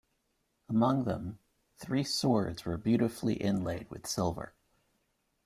Among them, three swords were beautifully inlaid with silver.